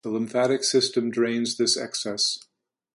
The lymphatic system drains this excess.